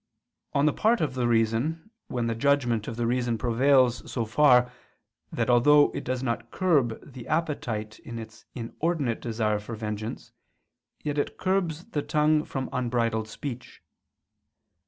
On the part of the reason, when the judgment of reason prevails so far, that although it does not curb the appetite in its inordinate desire for vengeance, yet it curbs the tongue from unbridled speech.